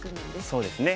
そうですね。